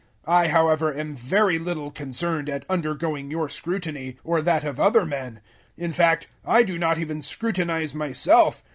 004:003 I however am very little concerned at undergoing your scrutiny, or that of other men; in fact I do not even scrutinize myself.